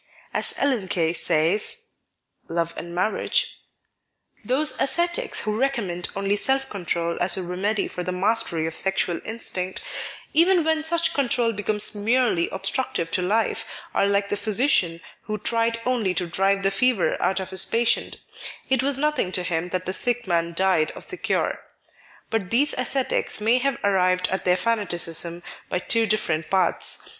As Ellen Key says (" Love and Marriage "): Those ascetics who recommend only self control as a remedy for the mastery of sexual instinct, even when such control becomes merely obstructive to life, are like the physician who tried only to drive the fever out of his patient : it was nothing to him that the sick man died of the cure. But these ascetics may have arrived at their fanaticism by two different paths.